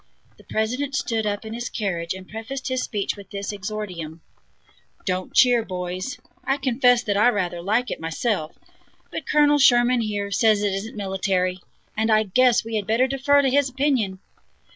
The President stood up in his carriage and prefaced his speech with this exordium: "Don't cheer, boys; I confess that I rather like it, myself; but Colonel Sherman, here, says it isn't military, and I guess we had better defer to his opinion."